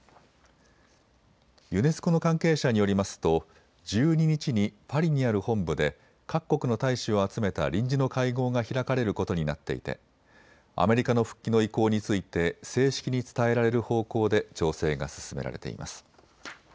ユネスコの関係者によりますと１２日にパリにある本部で各国の大使を集めた臨時の会合が開かれることになっていてアメリカの復帰の意向について正式に伝えられる方向で調整が進められています。